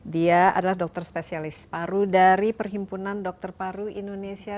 dia adalah dokter spesialis paru dari perhimpunan dokter paru indonesia